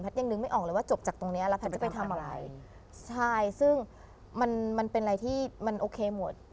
ยังนึกไม่ออกเลยว่าจบจากตรงเนี้ยแล้วแพทย์จะไปทำอะไรใช่ซึ่งมันมันเป็นอะไรที่มันโอเคหมด